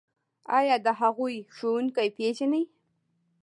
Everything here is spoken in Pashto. ایا د هغوی ښوونکي پیژنئ؟